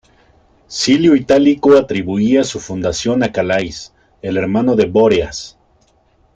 Silio Itálico atribuía su fundación a Calais, el hermano de Bóreas.